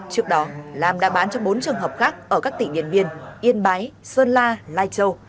trước đó lam đã bán cho bốn trường hợp khác ở các tỉnh điện biên yên bái sơn la lai châu